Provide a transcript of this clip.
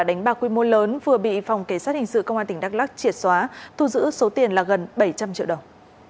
đánh bạc quy mô lớn vừa bị phòng cảnh sát hình sự công an tỉnh đắk lắc triệt xóa thu giữ số tiền là gần bảy trăm linh triệu đồng